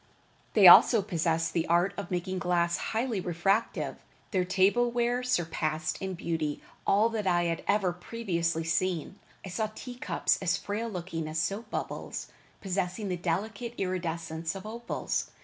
They also possessed the art of making glass highly refractive. Their table ware surpassed in beauty all that I had ever previously seen. I saw tea cups as frail looking as soap bubbles, possessing the delicate iridescence of opals.